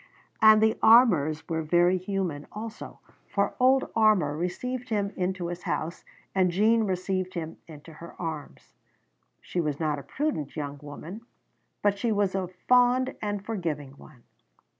And the Armours were very human also, for old Armour received him into his house, and Jean received him into her arms. She was not a prudent young woman, but she was a fond and forgiving one.